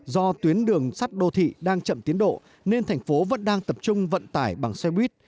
do tuyến đường sắt đô thị đang chậm tiến độ nên thành phố vẫn đang tập trung vận tải bằng xe buýt